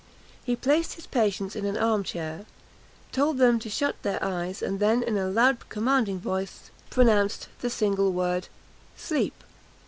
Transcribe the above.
He placed his patients in an arm chair; told them to shut their eyes; and then, in a loud commanding voice, pronounced the single word, "Sleep!"